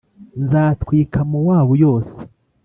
nzatwika Mowabu yose